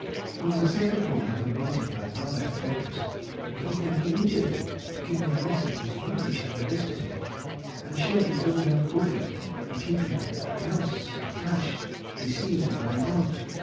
On the second morning, on meeting my brother at breakfast, he began immediately to give me a lesson in English and arithmetic, and showed me the way of booking and keeping accounts of cash received and laid out....